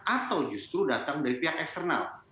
atau justru datang dari pihak eksternal